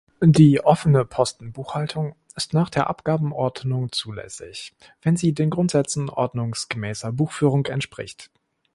Die Offene-Posten-Buchhaltung ist nach der Abgabenordnung zulässig, wenn sie den Grundsätzen ordnungsmäßiger Buchführung entspricht.